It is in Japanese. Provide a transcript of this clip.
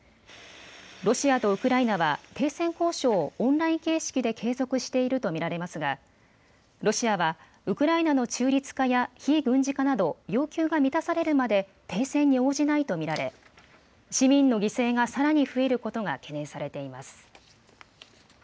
ロシアとウクライナは停戦交渉をオンライン形式で継続していると見られますがロシアはウクライナの中立化や非軍事化など要求が満たされるまで停戦に応じないと見られ市民の犠牲がさらに増えることが懸念されています。